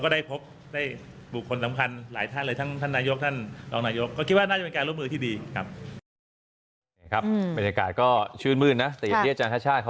ได้บุคคลสำคัญหลายท่านเลยทั้งท่านนายกท่านรองนายก